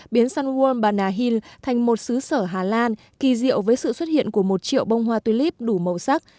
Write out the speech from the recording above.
biến sun world banahill thành một sứ sở hà lan kỳ diệu với sự xuất hiện của một triệu bông hoa tuy líp đủ màu sắc